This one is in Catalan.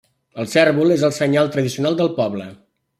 El cérvol és el senyal tradicional del poble.